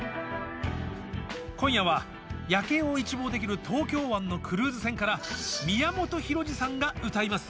今夜は夜景を一望できる東京湾のクルーズ船から宮本浩次さんが歌います。